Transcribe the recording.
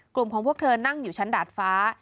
กลุ่มของพวกเธอนั่งอยู่ชั้นดาดฟ้า